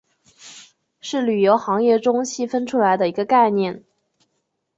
是旅游行业中细分出来的一个概念。